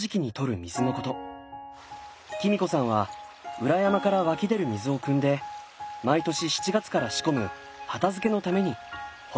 キミ子さんは裏山から湧き出る水をくんで毎年７月から仕込む畑漬のために保存しています。